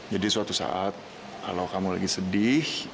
jadi suatu saat kalau kamu lagi sedih